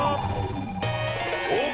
おっ。